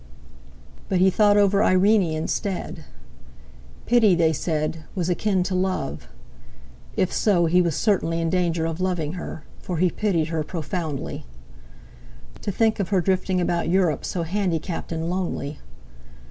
But he thought over Irene instead. Pity, they said, was akin to love! If so he was certainly in danger of loving her, for he pitied her profoundly. To think of her drifting about Europe so handicapped and lonely!